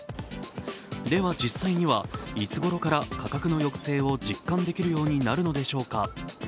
では、実際にはいつごろから価格の抑制を実感できるようになるのでしょうか。